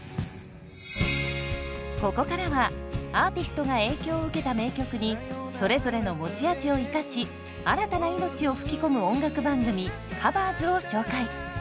ここからはアーティストが影響を受けた名曲にそれぞれの持ち味を生かし新たな命を吹き込む音楽番組「ｔｈｅＣｏｖｅｒｓ」を紹介。